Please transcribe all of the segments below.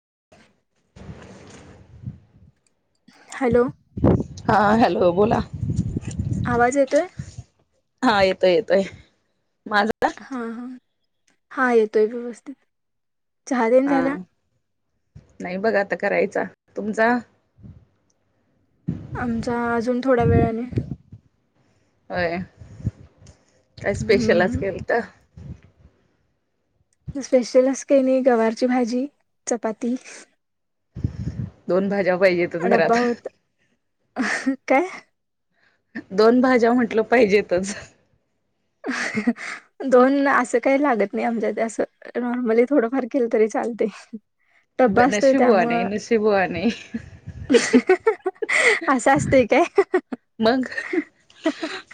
[inaudible] Hello. हा hello बोला. आवाज येतोय? ह येतोय येतोय. माझा हा हा हा येतोय व्यवस्थित. चहा तेन आ झाला नाही बघ आता करायचा तुमचा? आमचा अजून थोड्या वेळाने. होय काय स्पेशल आज केलंत? स्पेशल अस काई नाही गवारची भाजी चपाती. दोन भाज्या पाहिजेत. अ डब्बा होत, काय? दोन भाज्या म्हटलं पाहिजेतच. दोन आसं काय लागत नाई आमच्याथ असं. नॉर्मली थोडंफार केलं तरी चालते. डब्बा असतोय नशीबवाणय नशीबवानय. आसाच ठीकय. मंग.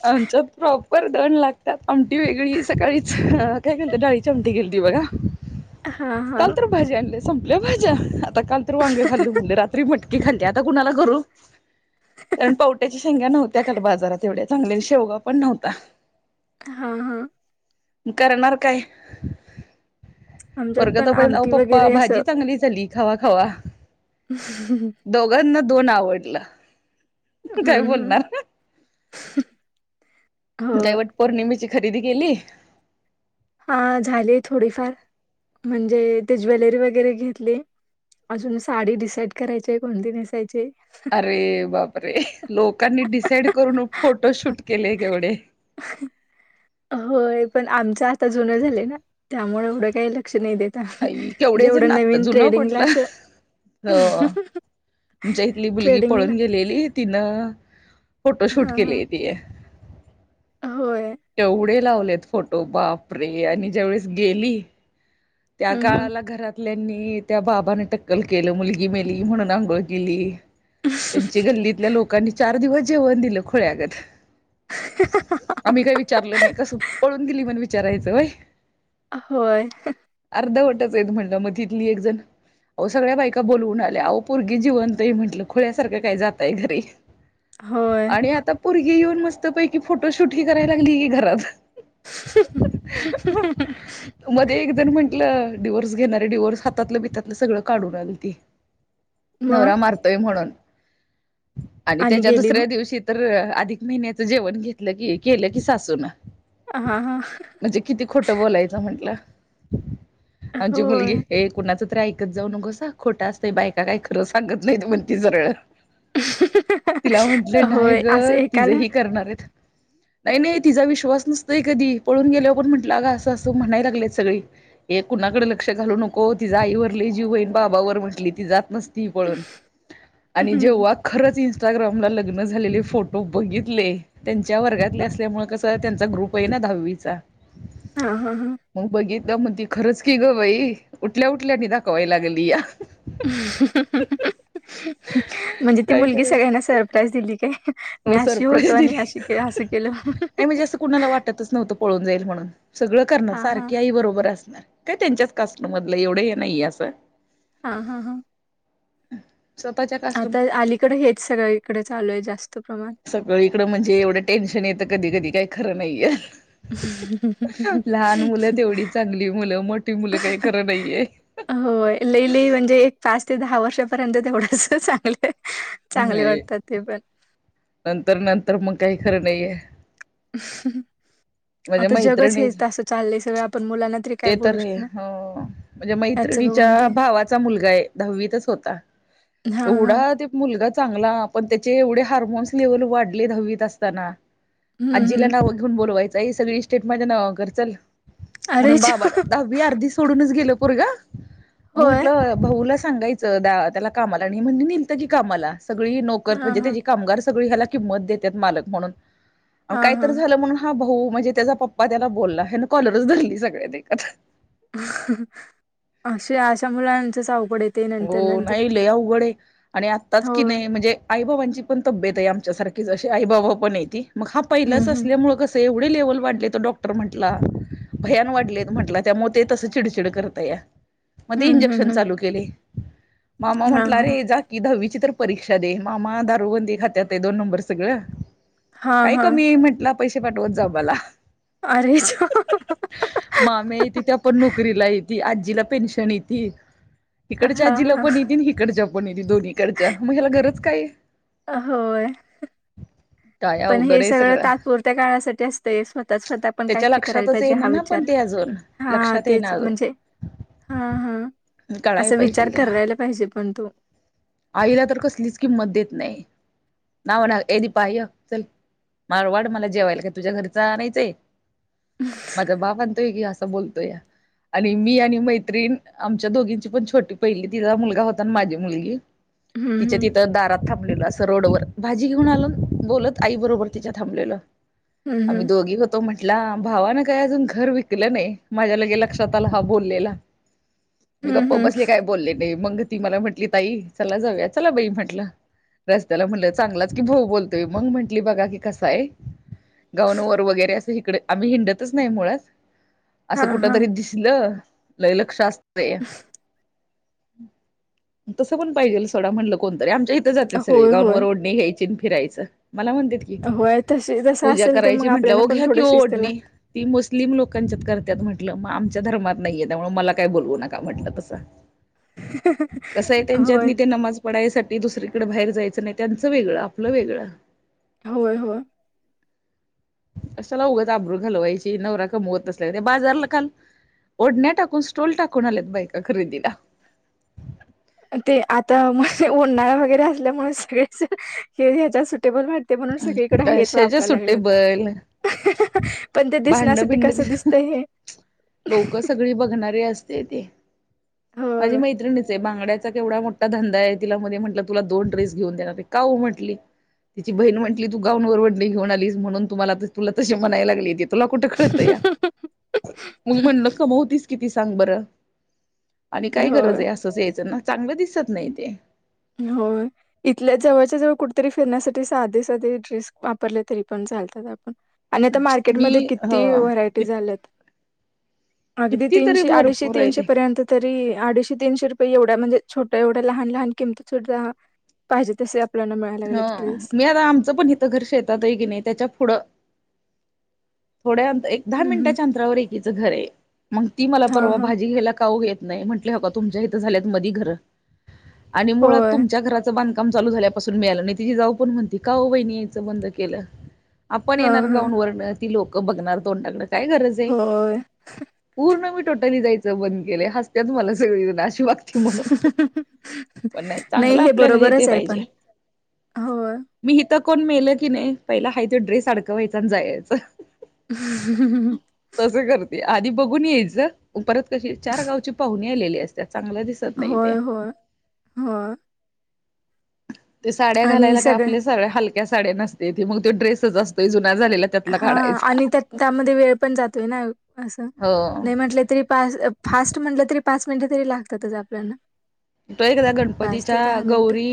आमच्यात प्रॉपर दोन लागतात आमटी वेगळी सकाळीच काय केलत डाळीची आमटी केलती बघा. हां हां. भाज्या आणल्या संपल्या भाज्या आता काल तर वांग खाल्ल म्हणल रात्री मट ती खणते आता कुणाला करू? कारण पाऊट त्याच्या शेंग्या नव्हत्या काल बाजारात एवढ्या चांगल्या शेवगा पण नव्हता. हां हां. करणार काय? आमच्यात पोरग पण त पहले ओ आमटी पप्पा वगैरे असं भाजी चांगली झाली खावा खावा. [inaudible] दोघांना दोन आवडलं. काय हम्म बोलणार. हो काय वट पौर्णिमेची खरेदी केली? हा झालीय थोडीफार. म्हणजे ते ज्वेलरी वगैरे घेतली. अजून साडी डिसाईड करायचीय कोणती नेसायचीय हा. अरे बापरे! लोकांनी डिसाईड करून फोटोशूट केले केवढे होय. पण आमचं आता जुन झालय ना त्यामुळ एवढं काय लक्ष नाई देत. हम. आई केवढे जेवढं नवीन ट्रेडिंगला असं हो. आमच्या इथली मुलगी ट्रेडिंगला पळून गेलेली तिनं फोटोशूट हा हा केलीय ती. होय. केवढे लावलेत फोटो बापरे आणि ज्या वळेस गेली त्या हम्म हम्म. काळाला घरात आपल्यांनी त्या बाबान टक्कल केलं मुलगी मेली म्हणून आंघोळ केली. त्यांची गल्लीतल्या लोकांनी चार दिवस जेवण दिलं खुळ्यागत. आम्ही काई विचारलं नाई कसं पळून गेली म्हणून विचारायचं होय? होय. अर्धवटच हायत म्हणलं म तथली एक जण अहो सगळ्या बायका बोलवून आल्या. अहो पोरगी जिवंत हाय म्हटलं खुळ्यासारखं काय जाताय घरी. होय. आणि आता पुरगी येऊन मस्त पैकी फोटोशूट ही करायला लागली की घरात. [inaudible] मध्ये एक म्हटलं डिवोर्स घेणारे डीवोर्स हातलं बितातलं सगळं काढून आलती. मग नवरा मारतोय म्हणून. आणि त्याच्या गेली मग दुसऱ्या दिवशी तर अधिक महिन्याचं जेवण घेतलं की केलं की सासूून. हा हां. म्हणजे किती खोट बोलायचं म्हंटलं. आमची होय. मुलगी हे कुणाच तर ऐ कत जाऊ नकोस हं खोटा असतय बायका काय खरं सांगत न्हाईत म्हणती सरळं. तिला म्हंटलं न्हाई होय ग असं तिज एकाला ही करणारेत. नाई नाई तिजा विश्वास नसतोय कधी पळून गेल्याव पण म्हटलं अग असं असं म्हणाय लागलेत सगळी ए कुणाकड लक्ष घालू नको तिज आईवर लई जीवय अन बाबावर म्हटली ती जात नस ती पळून. आणि हा जेव्हा खरंच इंस्टाग्रामला लग्न झालेले फोटो बघितले त्यांच्या वर्गातले असल्यामुळे कसं त्यांचा ग्रुप हाय ना धावीचा. हा हा हा. मग बघितल्यावं म्हणती खरंच की ग बाई उठल्या उठल्या आनी दाखवाय लागलीया. म्हणजे ती काय मुलगी करायचं सगळ्यांना सरप्राईज दिली काय? मी हो अशी होतो सरप्राईज आणि दिली अशी के असं केलं. नाही म्हणजे असं कुणाला वाटतच नव्हतं पळून जाईल म्हणून सगळं करणार हा हा. सारखी आई बरोबर असणार. काय त्यांच्याच कास्टमधलं एवढं हे नाइये असं हा हा हां. हम्. आता अलीकडं हेच सगळीकड चालूय जास्त प्रमाण सगळीकडं म्हणजे एवढं टेन्शन येतं कधी कधी काई खरं नाईये. लहान मुलं तेवढी चांगली मुलं मोठी मुलं काही खंर नाईये. होय. लई लई म्हणजे एक पाच ते दहा वर्षापर्यंत तेवढंच चांगलं चांगले नाही वाटतात ते पण. नंतर नंतर मग काही खरं नाहीे. माझ्या आता जगच हे मैत्रिणीच असं चाललंय सगळं आपण मुलांना. तरी काय ते बोलू तर आहे शकणार. हो. म्हणजे याचं बघून मैत्रिणीच्या ते भावाचा मुलगा आहे दहावीतच होता. हा हा एवढा ते मुलगा चांगला पण त्याचे एवढे हार्मोन्स लेव्हल वाढले दहावीत असताना. हम्म आजीला हम्म नाव घेऊन बोलवायचं आहे सगळी इस्टेट माझ्या नावावर कर चल. म्हणून अरेच्या बाबाला दहावी अर्धी सोडूनच गेल पोरगं मग होय म्हटलं भाऊला सांगायचं. द त्याला कामाला आणि म्हणल नेहलत की कामाला सगळी नोकर हां म्हणजे हां त्याची कामगार सगळी ह्याला. किमत देत्यात मालक म्हणून हां काय तर हां. झालं म्हणुन. हा भाऊ म्हणजे त्याचा पप्पा त्याला बोलला ह्यान कॉलरच धरली सगळ्या देकत. अशे अशा मुलांचच आवघड येतय. हो नाही लई उवघड आहे आणि आत्ताच हो. की नाही म्हणजे. आई बाबांची पण तब्येत आहे आमच्यासारखीच अशी आई बाबा पण हाइती मग हा हं पहिलाच हं असल्यामुळे कस. एवढे लेव्हल वाढलेत डॉक्टर म्हटला. भयान वाढले म्हटला त्यामुळे ते तस चिडचिड करतया मग ते हं हं इंजेक्शन हं चालू केलय. मामा हां म्हटला हां अरे जाकी दहावीची तर परीक्षा दे मामा दारुबंदी खात्यात आहे दोन नंबर सगळं. हां काय हां कमी आहे म्हंटला पैसे पाठवत जा मला. अरेच्या. माम्या आहेत्या पण नोकरीला हायती आजीला पेन्शन येती. इकडच्या हां आजीला हां पण येती आणि इकडच्या पण येती दोन्हीकडच्या मग ह्याला गरज काय. होय. ह [unintelligible] काय पण उवघड हे आहे सगळं तात्पुरत्या काळासाठी असतंय स्वतः स्वतः पण त्याच्या काहीतरी करायला लक्षातच पाहिजे येईना हा ना पण विचार ते अजून. लक्षात येइना अजून. हा हा कळाय असा विचार पाहिजे त्याला करायला पाहिजे पण तू. आईला तर कसलीच किंमत देत नाही नावण ये दीपा ये चल. मारवाड मला जेवायला काय तुझ्या घरच आणायचंय. माझा बाप म्हणतोय की असा बोलतोय या. आणि मी आणि मैत्रीण आमच्या दोघींची पण छोटी पहिली तिजा मुलगा होता माझी मुलगी. हं तिच्या हं. तिथं दारात थाबलेलो अस रोड वर भाजी घेऊन आलोन बोलत आई बरोबर तिच्या थांबलेलो हं आम्ही हं दोघी होत. तो म्हटला भावानं काही अजून घर विकलं नाही माझ्या लगे लक्षात आलं हा बोललेला. मी हं गप्पा हं बसले काय बोलले नाही मंग ती मला म्हंटली ताई. चला जाऊया चला बाई म्हटलं. रस्त्याला म्हटलं चांगलाच की भाऊ बोलतोय मग म्हंटली बघा की कसा आहे. गाऊनवर वगैरे अस इकडे आम्ही हिंडतच नाही मुळात असं हां कुठ तरी हां दिस. दिसल लई लक्ष असतय. तसं पण पाहिजेल सोडा म्हटलं कोण तरी आमच्या इथे जात्यात सगळी होय गाऊण होय. वर ओढणी घ्यायची आणि फिरायचं मला म्हणते. होय तशी तसं पूजा असेल तर मग करायची म्हंटल्या आपल्याला वो पण घ्या कि थोडी वो शिस्त ओढणी. लागते. ती मुस्लिम लोकांच्यात करतात म्हटलं मग आमच्या धर्मात नाहीये त्यामुळे मला काय बोलवू नका म्हटलं तसं. ह [unintelligible] [unintelligible] त्यांच्यातनी ते नमाज पडायसाठी दुसरीकडे बाहेर जायचं नाही त्यांचं वेगळं आपलं वेगळं. होय होय. कशाला उगच आबरु घालवायची नवरा कमवत नसल्या गत बाजारला काल ओढण्या टाकून स्टोल टाकून आल्यात बायका खरेदीला ते आता मग उन्हाळा वगैरे असल्यामुळे सगळच हे ह्याच्यात सुटेबल वाट ते म्हणून सगळीकडे हेच कशाच्या वापरायला लागलेत सुटेबल पण ते भांडण दिसण्यासाठी कसं भिंडण दिसत हे लोक सगळी बघणारे असते ते माझी होय. मैत्रिणीच आहे बांगड्यात केवढा मोठा धंदा आहे तिला मध्ये म्हटलं तुला दोन ड्रेस घेऊन देणार ते का ओ म्हटली तची बहीण म्हटली तू गाऊन वरवडली घेऊन अलीस म्हणून तुम्हाला तुला तसे म्हणायला लागलेत तुला कुठं कळतया मग म्हणल कमवतीस किती सांग बरं आणि काय गरज होय आहे असंच यायचं ना चांगलं दिसत नाही ते होय इथल्या जवळच्या जवळ कुठेतरी फिरण्यासाठी साधे साधे ड्रेस वापरले तरी पण चालतात आपण आणि आता मी मार्केटमध्ये ह किती व्हरायटी झाल्यात अगदी कितीतरी तीनशे अडीशे भरपूर आहे तीनशे ते पर्यंत तरी अडीशे तीनशे रुपये एवढ्या म्हणजे छोट्या एवढ्या लहान लहान किमती सध्या पाहिजे तसे अँप ह मी आता आमचं पण घर शेतात आहे की नाही त्याच्या पुढं थोड्या अंत एक दहा हम्म मिनिटाच्या अंतरावर एक तीच घर आहे मग ती मला हा परवा हा भाजी घ्यायला का ओ येत नाही म्हटलं अबा तुमच्या इथ मध्ये झाल्यात घर आणि मुळात होय तुमच्या घराच बांधकाम चालू झाल्या मिळालं ति जाऊ पण म्हणती का हो वाहिनी याचं बंद केलं आपण हा येणार हा गाऊन वरण ति लोकं बघणार तोंडकडे काय गरज आहे होय पूर्ण मी टोटली जायचं बंद केलं हसत्यात मला सगळी जण अशी वा नाही चांगलं हे आपल्याला बरोबरच ते आहे पाहिजे पण होय मी हिथं कोण मेल की नाही पहिला आहे तो ड्रेस अडकवायचा आणि जायचं ह ह तस करते आधी बघून यायच परत कशी चार गावची पाहुणी आलेली असतात चांगलं दिस होय होय हो ते साड्या आणि घालायला काय सगळ आपल्या साळ्या हलक्या साड्या नसते मग तो ड्रेसच असतोय जुन्या झालेला त्यातला हा काढायचा आणि त्या त्यामध्ये वेळ पण जातोय ना असं नाही हो म्हटलं तरी पा फास्ट म्हटलं तरी पाच मिनिटे तरी लागतातच आपल्याला तो एकदा पाच ते गणपतीच्या दहा मिनिटं गौरी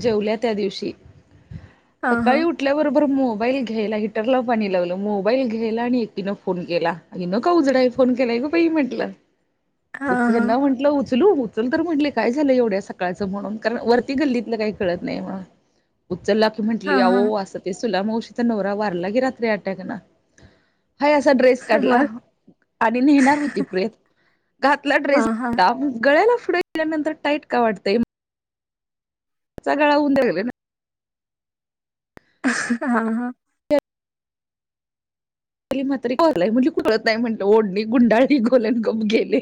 जेवल्या त्या दिवशी हा हां उटल्याबरोबर मोबाईल घ्यायला हिटरला पाणी लावलं मोबाईल घ्यायला आणि एकटीनं फोन केेला हीन का उघडायला फोन केलाय ग बाई म्हंटलं हा हा ह्यांना म्हटलं उचलू उचल तर म्हटले काय झालं एवढ्या सकाळचं म्हणून कारण वरती गल्लीतलं काही कळत नाही म्हणून उचलला की हा म्हटली हा अहो असं सुला मावशीचा नवरा वारला की रात्री अट्याक न हाय असा ड्रेस काढला मग आणि नेणार होती प्रेत घातला हा ड्रेस हा गळ्याला पुढे गेल्यानंतर टाईट का वाटतय त्याचा गळा राहिला ना हा हा ग मात्र कोरलाय म्हणजे कोरत नाही म्हण ओढणी गुंडाळी गोलन गप गेले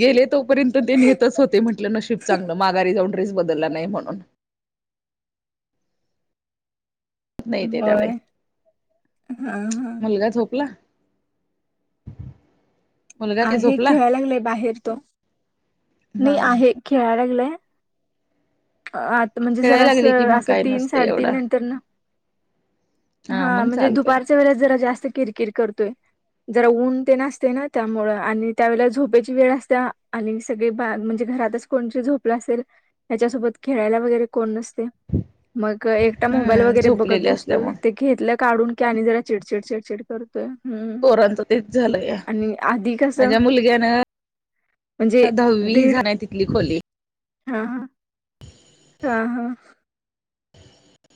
गेलेत. तोपर्यंत तेनि येतच होते म्हटलं नशीब चांगलं माघारी जाऊन ड्रेस बदलला नाही म्हणून नाही ते त्यावेळे होय हा हा मुलगा झोपला? मुलगा काय आहे झोपला खेळायला लागलंय बाहेर तो नाही होय. आहे खेळायला लागलाय. आता म्हणजे जर खेळायला लागली की असं मग असं काय तीन नसतं साडेतीन एवढं नंतर न. हा मग म्हणजे चालतंय दुपारच्या वेळेस जरा जास्त किरकिर करतोय. जरा ऊन तेन असतंय ना त्यामुळ आणि त्यावेळेला झोपायची वेळ असते आणि सगळे बाग म्हणजे घरातच. कोण झोप असेल त्याच्यासोबत खेळायला वगैरे कोण नसेल. मग एकटा मोबाईल हम्म वगैरे बघत झोपलेले बसतोय ते असल्यामुळे घेतलं काढून की आणि जरा चिडचिड चिडचिड करत. पोरांच तेच झालया आणि आधी कसं माझ्या मुलग्यानं म्हणजे दीड दहावी [unintelligible] तिथली खोली हा हा. हा हा.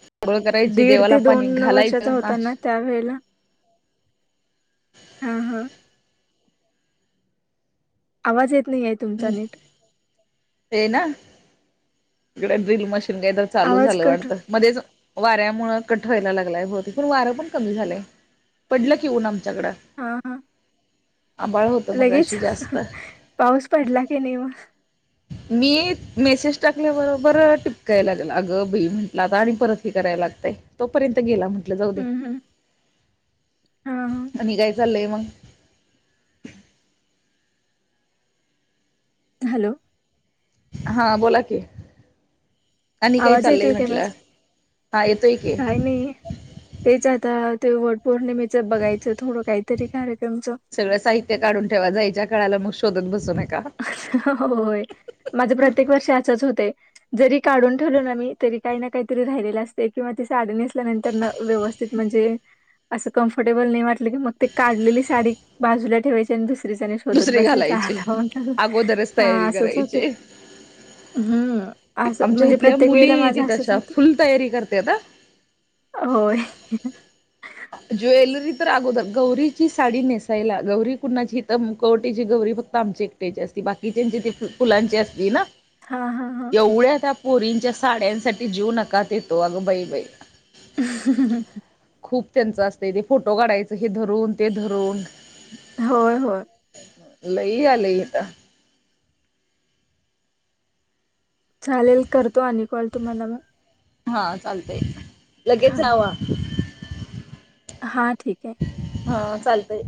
आंघोळ करायची दीड देवाला ते पाणी दोन वर्षाचा घालायचं होता ना. त्या वेळेला हा हा. आवाज येत नाही येत. ह् ते ना. इकडे ड्रिल मशीन काय तर चालू आवाज झालं कट वाटत. मध्येच वाऱ्यामुळे कठवायला लागलाय बहुतेक पण वारं पण कमी झालंय पडलं कि ऊन आम कड हा हा आंभाळ होत लगेच मगाशी जास्त पाऊस पडला की नई. मी मेसेज टाकल्याबरोबर टिपकायला लाग अगं बई म्हटलं आता आणि परत हे करायला लागतय. तोपर्यंत गेला म्हटलं जाऊ दे हम्म हम्म हा हा आणि काय चाललंय मंग हॅलो. हा बोला की आणि काय आवाज चाललंय येतोय म्हटलं हा येतोय की नी तेच आता ते वटपौर्णिमेचं बघायचं थोडं काहीतरी कार्यक्रमचं. सगळं साहित्य काढून ठेवायचं जायच्या कळाला म शोधत बसू नका. ह ह होय माझं प्रत्येक वर्षी असंच होतय. जरी काढून ठेवलं ना मी तरी काय ना काय तरी राहिलेलं असतंय किंवा ति साडी नेस. [unintelligible] व्यवस्थित म्हणजे असं कम्फर्टेबल नय वाटलं की मग ते काढलेली साडी बाजूला ठेवाय. दुसरीच्या अणि शोधात दुसरी बसायचं घालायची [unintelligible] अगोदरच हा तयारी असच होतय. करायची हम्म असं आमच्या म्हणजे इथल्या प्रत्येक वेळेला मुली ती माझं असंच तशा होत. फुल तयारी करतात हा होय. ज्वेलरी तर अगोदर गौरीची साडी नेसायला गौरी कुणाची हित कवटीची गौरी फक्त आमची एकट्याची असती बाकी च्यांची ते फुलांची असती ना. हां, हां, हां. एवढं त्या पोरींच्या साड्यांसाठी जीव नकात येतो अगं बाई बाई. ह. खूप त्यांच असतंय ते फोटो काढायचं हे धरून ते धरून होय होय. लय आलय हितं. चालेल करतो आणि कॉल तुम्हाला मग हा चालतंय लगेच राहावा. हा ठीक आहे. हा चालतंय!